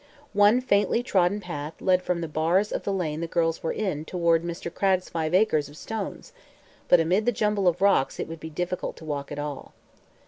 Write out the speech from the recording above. One faintly trodden path led from the bars of the lane the girls were in toward Mr. Cragg's five acres of stones, but amid the jumble of rocks it would be difficult to walk at all.